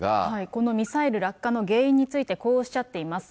このミサイル落下の原因についてこうおっしゃっています。